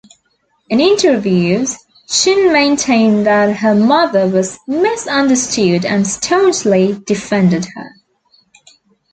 In interviews, Chin maintained that her mother was misunderstood and staunchly defended her.